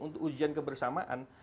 untuk ujian kebersamaan